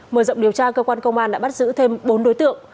mở rộng điều tra cơ quan công an đã bắt giữ thêm bốn đối tượng